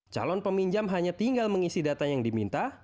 calon peminjam hanya tinggal mengisi data yang diminta